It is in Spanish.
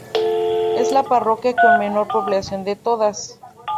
Es la parroquia con menor población de todas.